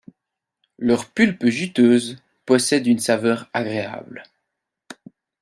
Leur pulpe juteuse possède une saveur agréable.